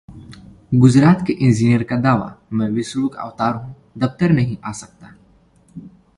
गुजरात के इंजीनियर का दावा- मैं विष्णु का अवतार हूं, दफ्तर नहीं आ सकता